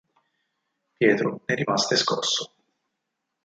Pietro ne rimase scosso.